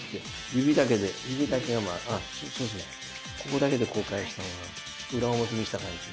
ここだけでこう返した方が裏表にした感じ。